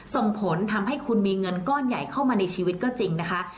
ส่งผลทำให้คุณมีเงินก้อนใหญ่เข้ามาในชีวิตก็จริงนะคะ